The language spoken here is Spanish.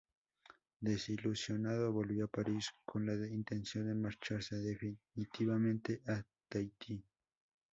Desilusionado volvió a París con la intención de marcharse definitivamente a Tahití.